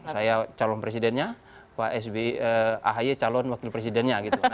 saya calon presidennya pak sby calon wakil presidennya